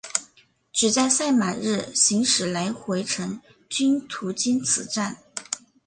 只在赛马日行驶来回程均途经此站。